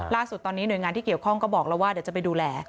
ล่าสุดตอนนี้หน่วยงานที่เกี่ยวข้องก็บอกแล้วว่าเดี๋ยวจะไปดูแล